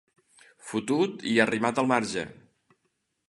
Fotut i arrimat al marge.